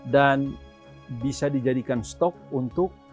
dan bisa dijadikan stok untuk